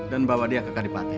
dan bawa dia ke kadipaten